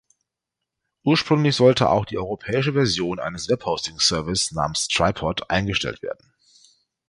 Ursprünglich sollte auch die europäische Version eines Webhosting-Service namens Tripod eingestellt werden.